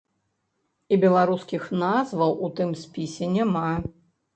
І беларускіх назваў у тым спісе няма.